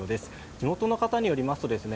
地元の方によりますとですね